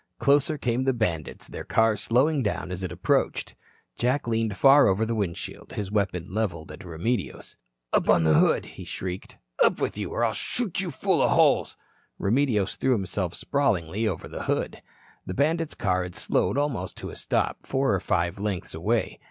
Closer came the bandits, their car slowing down as it approached. Jack leaned far over the windshield, his weapon leveled at Remedios. "Up on the hood," he shrieked. "Up with you, or I'll shoot you full of holes." Remedios threw himself sprawlingly over the hood. The bandits' car had slowed almost to a stop, four or five lengths away.